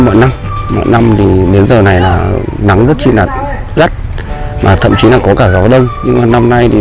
mọi năm mọi năm thì đến giờ này là nắng rất là rất mà thậm chí là có cả gió đông nhưng mà năm nay thì